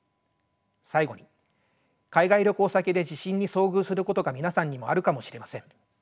最後に海外旅行先で地震に遭遇することが皆さんにもあるかもしれません。